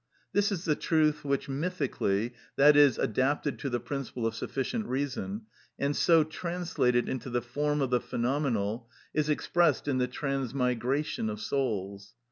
This is the truth which mythically, i.e., adapted to the principle of sufficient reason, and so translated into the form of the phenomenal, is expressed in the transmigration of souls.